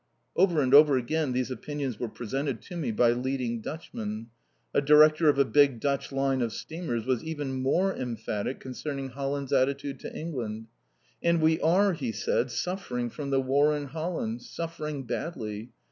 Over and over again these opinions were presented to me by leading Dutchmen. A director of a big Dutch line of steamers was even more emphatic concerning Holland's attitude to England. "And we are," he said, "suffering from the War in Holland suffering badly.